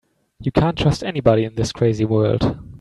You can't trust anybody in this crazy world.